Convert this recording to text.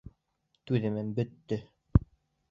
Түҙемем бөттө!